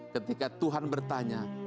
ketika tuhan bertanya